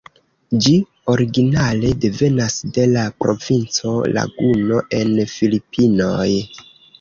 Ĝi originale devenas de la provinco Laguno en Filipinoj.